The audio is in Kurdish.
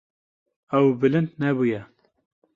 Ew bilind nebûye.